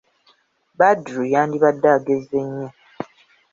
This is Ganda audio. Badru, yandibadde agezze nnyo.